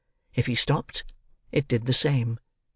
If he stopped it did the same.